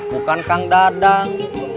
bukan kang dadang